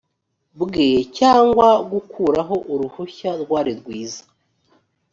bwe cyangwa gukuraho uruhushya rwari rwiza